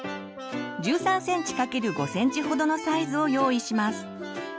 １３ｃｍ×５ｃｍほどのサイズを用意します。